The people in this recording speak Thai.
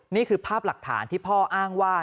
นี่คือภาพหลักฐานที่พ่ออ้างว่า